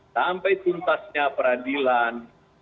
sampai tuntasnya peradilan